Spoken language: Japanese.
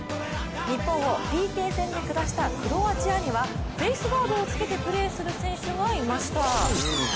日本をＰＫ戦で下したクロアチアにはフェースガードを着けてプレーする選手がいました。